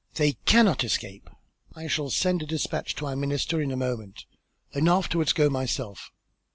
They cannot escape. I shall send a despatch to our minister in a moment, and afterwards go myself.